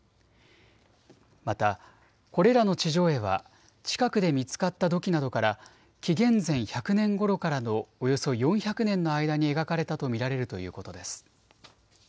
また、これらの地上絵は近くで見つかった土器などから紀元前１００年ごろからのおよそ４００年の間に描かれたと見られるということです。